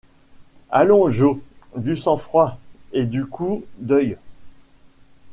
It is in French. Allons, Joe, du sang-froid et du coup d’œil.